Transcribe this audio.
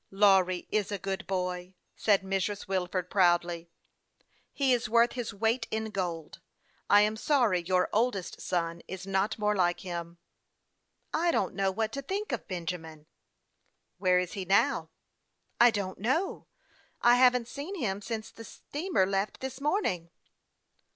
"Lawry is a good boy," said Mrs. Wilford, proudly. " He is worth his weight in gold. I am sorry your oldest son is not more like him." " I don't know what to think of Benjamin." " Where is he now ?"" I don't know ; I haven't seen him since the steamer left this morning."